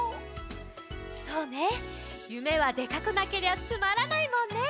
そうねゆめはでかくなけりゃつまらないもんね！